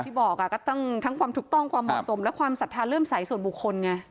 ที่บอกก็ตั้งทั้งความถูกต้องความเหมาะสมและความศรัทธาเลื่อมใสส่วนบุคคลไง